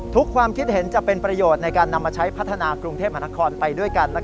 ความคิดเห็นจะเป็นประโยชน์ในการนำมาใช้พัฒนากรุงเทพมหานครไปด้วยกัน